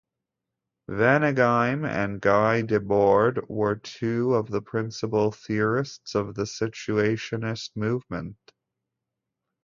Vaneigem and Guy Debord were two of the principal theorists of the Situationist movement.